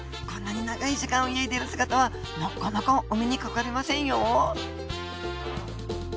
こんなに長い時間泳いでる姿はなかなかお目にかかれませんよ